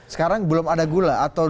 sekarang belum ada gula